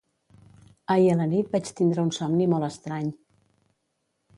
Ahir a la nit vaig tindre un somni molt estrany.